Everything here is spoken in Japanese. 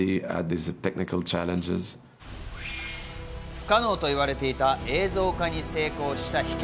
不可能と言われていた映像化に成功した秘訣。